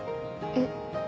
えっ。